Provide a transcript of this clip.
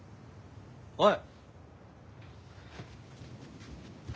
・おい。